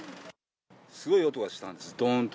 すごい音がしたんです、どーんと。